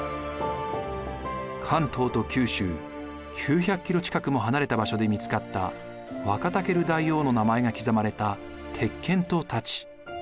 関東と九州９００キロ近くも離れた場所で見つかったワカタケル大王の名前が刻まれた鉄剣と太刀。